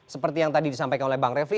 seperti yang tadi disampaikan oleh bang refli